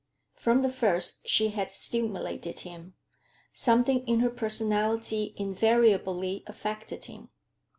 From the first she had stimulated him; something in her personality invariably affected him.